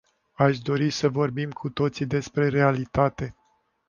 Aș dori să vorbim cu toții despre realitate.